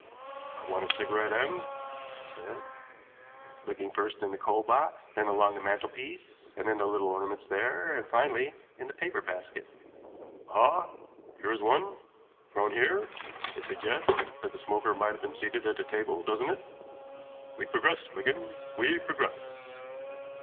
"I want a cigarette end," he said, looking first in the coal box, then along the mantelpiece and in the little ornaments there, and, finally, in the paper basket. "Ah, here is one. Thrown here, it suggests that the smoker might have been seated at the table, doesn't it? We progress, Wigan; we progress."